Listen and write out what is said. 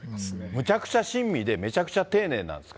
むちゃくちゃ親身で、めちゃくちゃ丁寧なんですか？